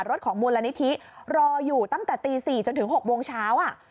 รถของมูลนิธิรออยู่ตั้งแต่ตีสี่จนถึงหกโมงเช้าอ่ะ